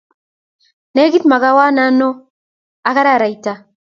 Negit makawanno ak araraita